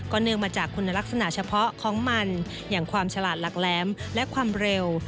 เนื่องมาจากคุณลักษณะเฉพาะของมันอย่างความฉลาดหลักแหลมและความเร็ว